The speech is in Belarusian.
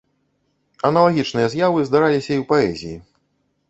Аналагічныя з'явы здараліся і ў паэзіі.